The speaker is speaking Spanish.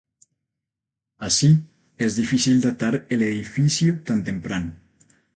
Así, es difícil datar el edificio tan temprano.